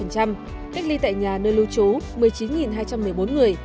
cách ly tại nhà nơi lưu trú một mươi chín hai trăm một mươi bốn người